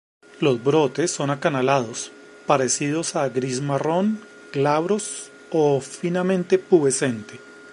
Los brotes son acanalados, parecidos a gris-marrón, glabros o finamente pubescente.